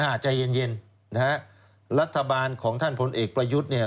ใจเย็นเย็นนะฮะรัฐบาลของท่านพลเอกประยุทธ์เนี่ย